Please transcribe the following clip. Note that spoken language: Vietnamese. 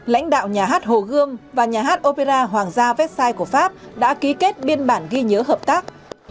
lãnh đạo nhà hát hồ gươm và nhà hát opera hoàng gia vecsai của pháp đã ký kết biên bản ghi nhớ hợp tác